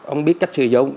ông biết cách sử dụng